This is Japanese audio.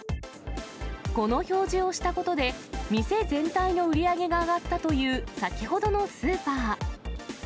この表示をしたことで、店全体の売り上げが上がったという先ほどのスーパー。